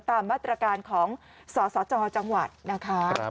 ตามมาตรการของสสจจังหวัดนะคะ